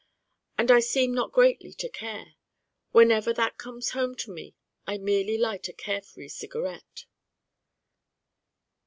And I seem not greatly to care: whenever that comes home to me I merely light a carefree cigarette.